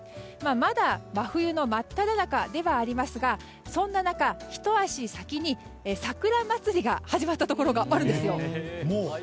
まだ真冬の真っただ中ではありますがそんな中、ひと足先に桜祭りが始まったところがあるんですよ。